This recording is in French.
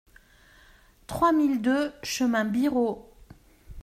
trois mille deux chemin Birot